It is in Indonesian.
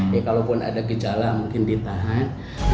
ya kalaupun ada gejala mungkin ditahan